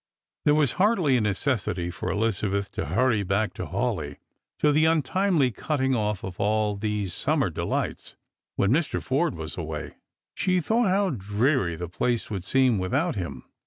There was hardly a necessity for Elizabeth to hurry back to Hawleigh, to the untimely cutting off of all these summer de hghts, when Mr. Forde was away. She thought how dreary the place would seem without him.